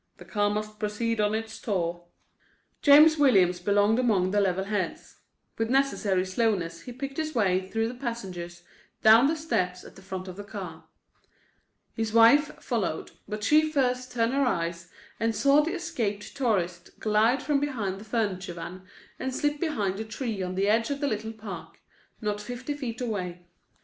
The car must proceed on its tour." James Williams belonged among the level heads. With necessary slowness he picked his way through the passengers down to the steps at the front of the car. His wife followed, but she first turned her eyes and saw the escaped tourist glide from behind the furniture van and slip behind a tree on the edge of the little park, not fifty feet away.